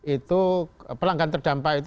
itu pelanggan terdampaknya